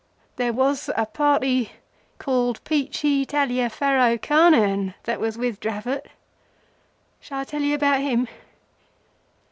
There was a party called Peachey Taliaferro Carnehan that was with Dravot. Shall I tell you about him?